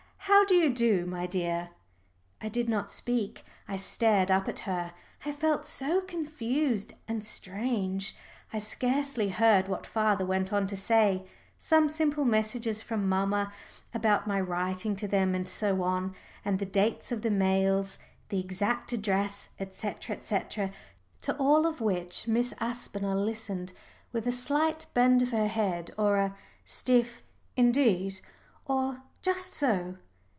"How do you do, my dear?" I did not speak. I stared up at her, I felt so confused and strange. I scarcely heard what father went on to say some simple messages from mamma about my writing to them, and so on, and the dates of the mails, the exact address, etc., etc., to all of which Miss Aspinall listened with a slight bend of her head or a stiff "indeed," or "just so."